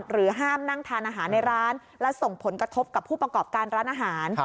ห้ามนั่งทานอาหารในร้านและส่งผลกระทบกับผู้ประกอบการร้านอาหาร